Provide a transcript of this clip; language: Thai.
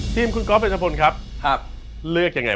ทองย้อย